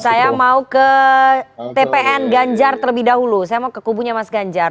saya mau ke tpn ganjar terlebih dahulu saya mau ke kubunya mas ganjar